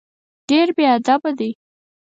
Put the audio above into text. ډېر بېادبه دی.